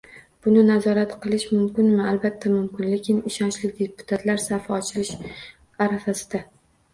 Buni nazorat qilish mumkinmi? Albatta mumkin, lekin ishonchli deputatlar safi ochilish arafasida